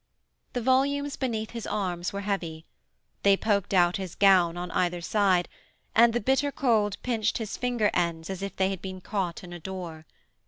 The volumes beneath his arms were heavy: they poked out his gown on each side, and the bitter cold pinched his finger ends as if they had been caught in a door.